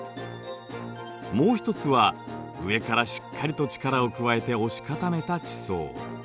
もう一つは上からしっかりと力を加えて押し固めた地層。